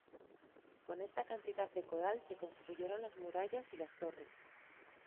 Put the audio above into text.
Con esta cantidad de coral se construyeron las murallas y las torres.